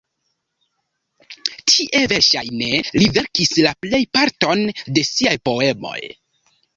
Tie, verŝajne, li verkis la plejparton de siaj poemoj.